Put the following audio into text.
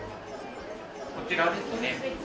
こちらですね。